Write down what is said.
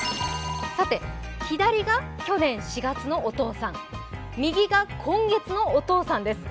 さて、左が去年４月のお父さん、右が今月のお父さんです。